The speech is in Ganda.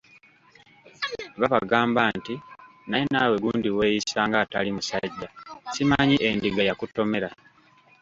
Babagamba nti,"Naye naawe gundi weeyisa ng'atali musajja, simanyi endiga yakutomera?